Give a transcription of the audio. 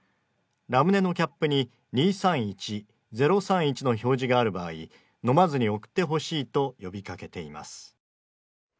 ラムネのキャップに２３１０３１の表示がある場合飲まずに送ってほしいと呼びかけています